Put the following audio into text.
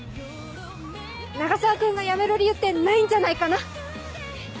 永沢君が辞める理由ってないんじゃないかな！